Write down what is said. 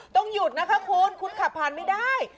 ต้องหยุดนะคะคุณคุณขับผ่านไม่ได้